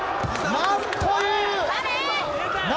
何という。